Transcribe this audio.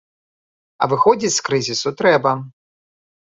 А выходзіць з крызісу трэба.